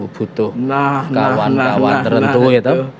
butuh kawan kawan tertentu gitu